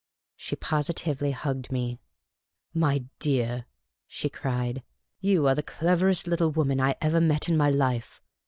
She positively hugged me. " My dear," she cried, " you are the cleverest little woman I ever met in my life